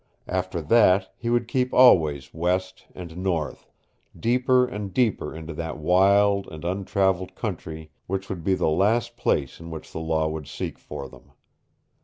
After that he would keep always west and north, deeper and deeper into that wild and untraveled country which would be the last place in which the Law would seek for them.